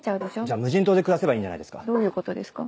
じゃあ無人島で暮らせばいいんじゃないですか。どういうことですか？